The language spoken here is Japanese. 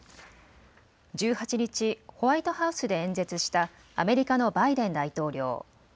１８日、ホワイトハウスで演説したアメリカのバイデン大統領。